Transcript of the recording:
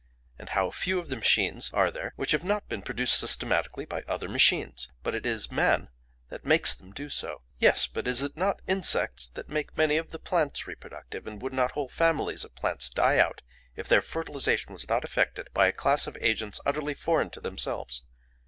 And how few of the machines are there which have not been produced systematically by other machines? But it is man that makes them do so. Yes; but is it not insects that make many of the plants reproductive, and would not whole families of plants die out if their fertilisation was not effected by a class of agents utterly foreign to themselves?